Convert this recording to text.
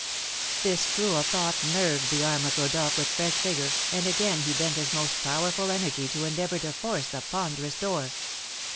This cruel thought nerved the arm of Rodolph with fresh vigour, and again he bent his most powerful energy to endeavour to force the ponderous door.